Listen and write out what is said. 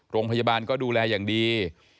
โรงพยาบาลก็ดูแลอย่างดี